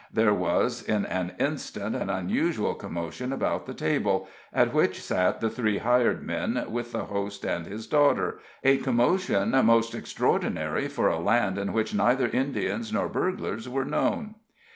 There was in an instant an unusual commotion about the table, at which sat the three hired men, with the host and his daughter a commotion most extraordinary for a land in which neither Indians nor burglars were known.